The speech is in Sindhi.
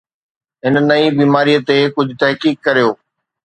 هن نئين بيماري تي ڪجهه تحقيق ڪريو